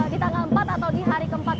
di tanggal empat atau di hari ke empat